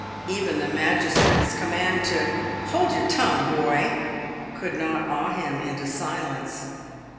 Even the magistrate's command to " Hold your tongue, boy," could not awe him into silence.